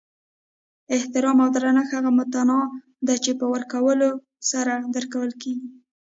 احترام او درنښت هغه متاع ده چی په ورکولو سره درکول کیږي